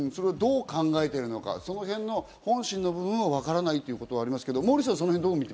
どう考えているのか、その辺の本心の部分はわからないということがありますけど、モーリーさん。